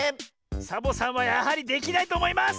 サボさんはやはりできないとおもいます！